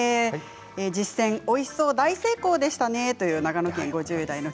実践おいしそう大成功でしたね」という長野県５０代の。